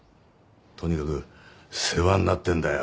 とにかく世話んなってんだよ。